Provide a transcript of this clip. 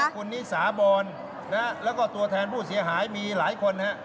คุณนิสาบรแล้วก็ตัวแทนผู้เสียหายมีหลายคนฮะ